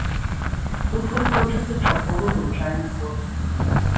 Хутка скончыцца чарговы навучальны год.